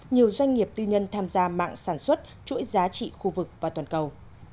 nhiều doanh nghiệp tư nhân tham gia mạng sản xuất chuỗi giá trị khu vực và toàn cầu